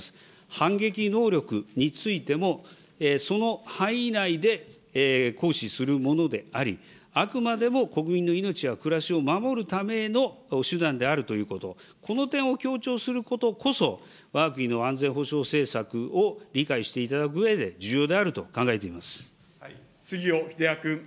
反撃能力についても、その範囲内で行使するものであり、あくまでも国民の命や暮らしを守るための手段であるということ、この点を強調することこそ、わが国の安全保障政策を理解していただくうえで重要であると考え杉尾秀哉君。